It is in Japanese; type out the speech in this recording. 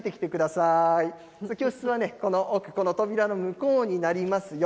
さあ、教室はこの奥、扉の向こうになりますよ。